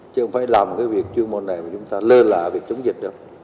chứ không phải làm cái việc chuyên môn này mà chúng ta lơ lạ việc chống dịch đâu